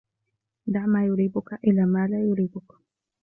دَعْ مَا يَرِيبُك إلَى مَا لَا يَرِيبُك